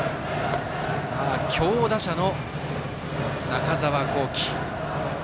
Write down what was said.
強打者の中澤恒貴。